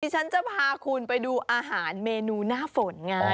ฉันจะพาคุณไปดูอาหารเมนูหน้าฝนไง